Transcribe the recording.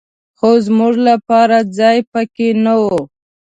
خو زمونږ لپاره ځای په کې نه و.